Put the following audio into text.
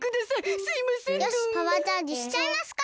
よしパワーチャージしちゃいますか！